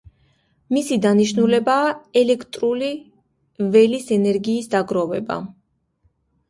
მისი დანიშნულებაა ელექტრული ველის ენერგიის დაგროვება.